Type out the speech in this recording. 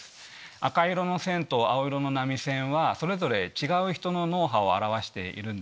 赤色の線と青色の線はそれぞれ違う人の脳波を表している。